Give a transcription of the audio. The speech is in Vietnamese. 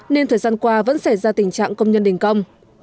nên thời gian qua vẫn xảy ra tình trạng công nhân đình công